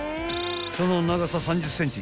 ［その長さ３０ｃｍ］